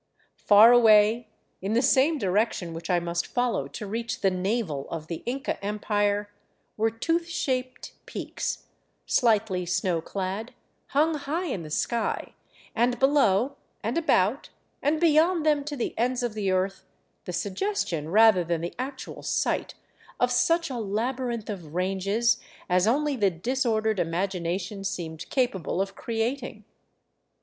Far away, in the same direction which I must follow to reach the Navel of the Inca Empire, were tooth shaped peaks, slightly snowclad, hung high in the sky, and below, and about, and beyond them to the ends of the earth, the sugges tion, rather than the actual sight, of such a labyrinth of ranges as only the disordered imagination seemed capable of creating.